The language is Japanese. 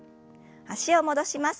脚を戻します。